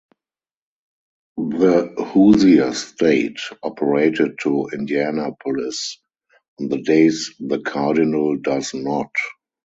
The "Hoosier State" operated to Indianapolis on the days the "Cardinal" does not.